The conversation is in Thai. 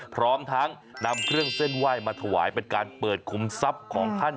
พร้อมทั้งนำเครื่องเส้นไหว้มาถวายเป็นการเปิดคุมทรัพย์ของท่าน